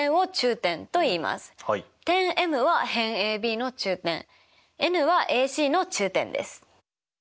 点Ｍは辺ＡＢの中点ＮはＡＣの中点です。